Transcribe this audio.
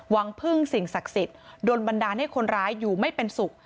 วังพึ่งสิ่งศักดิ์สิทธิ์โดนบันดาลให้คนร้ายอยู่ไม่เป็นสุข